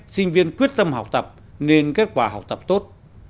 sinh viên quyết tâm học tập nên kết quả học tập tốt